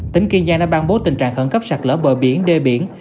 tỉnh kiên giang đã ban bố tình trạng khẩn cấp sạt lỡ bờ biển đê biển